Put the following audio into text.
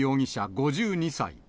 ５２歳。